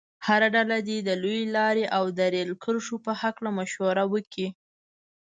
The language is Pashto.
هره ډله دې د لویې لارې او د ریل کرښو په هلکه مشوره وکړي.